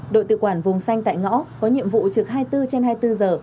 đội tự quản vùng xanh tại ngõ có nhiệm vụ trực hai mươi bốn trên hai mươi bốn giờ